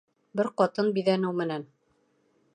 Бер ҡатын биҙәнеү менән